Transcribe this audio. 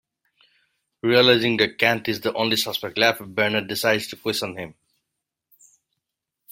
Realizing that Kent is the only suspect left, Brenner decides to question him.